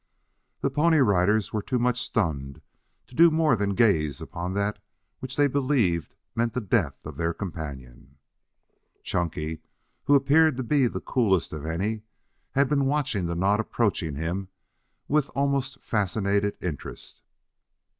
The Pony Riders were too much stunned to do more than gaze upon that which they believed meant the death of their companion. Chunky, who appeared to be the coolest of any, had been watching the knot approaching him with almost fascinated interest.